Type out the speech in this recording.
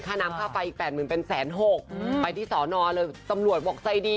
ค่าน้ำค่าไฟอีกแปดหมื่นเป็นแสนหกไปที่สอนอเลยตำรวจบอกใจดี